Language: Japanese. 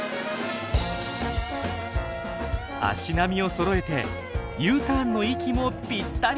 足並みをそろえてＵターンの息もぴったり。